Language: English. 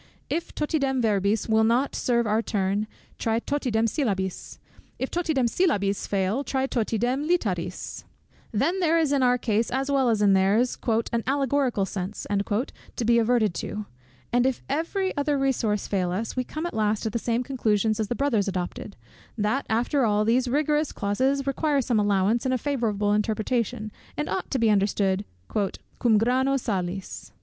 If totidem verbis will not serve our turn, try totidem syllabis; if totidem syllabis fail, try totidem literis: then there is in our case, as well as in theirs, "an allegorical sense" to be adverted to; and if every other resource fail us, we come at last to the same conclusion as the Brothers adopted, that after all, those rigorous clauses require some allowance, and a favourable interpretation, and ought to be understood "cum grano salis."